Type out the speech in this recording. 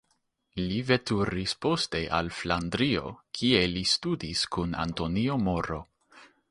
Li veturis poste al Flandrio, kie li studis kun Antonio Moro.